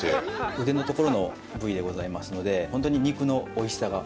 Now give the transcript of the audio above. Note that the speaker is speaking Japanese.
ウデのところの部位でございますので、ほんとに肉のおいしさが。